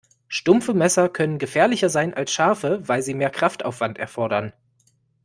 Stumpfe Messer können gefährlicher sein als scharfe, weil sie mehr Kraftaufwand erfordern.